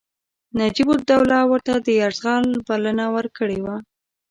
نجیب الدوله ورته د یرغل بلنه ورکړې وه.